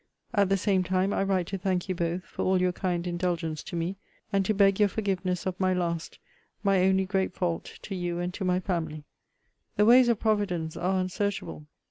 At the same time I write to thank you both for all your kind indulgence to me, and to beg your forgiveness of my last, my only great fault to you and to my family. The ways of Providence are unsearchable.